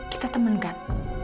kita temen kan